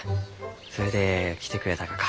それで来てくれたがか。